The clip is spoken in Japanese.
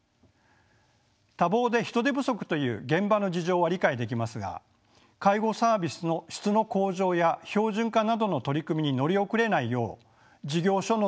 多忙で人手不足という現場の事情は理解できますが介護サービスの質の向上や標準化などの取り組みに乗り遅れないよう事業所の努力も必要です。